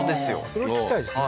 それは聞きたいですね